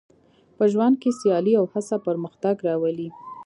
په ژوند کې سیالي او هڅه پرمختګ راولي.